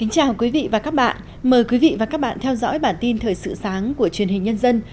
chào mừng quý vị đến với bản tin thời sự sáng của truyền hình nhân dân